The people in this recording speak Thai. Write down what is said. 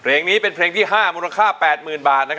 เพลงนี้เป็นเพลงที่๕มูลค่า๘๐๐๐บาท